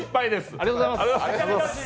ありがとうございます！